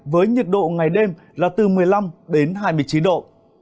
với nhiệt độ ngày đêm là từ một mươi năm đến hai mươi chín độ